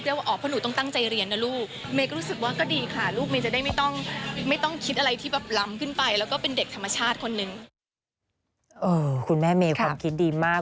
เออคุณแม่เมย์ความคิดดีมาก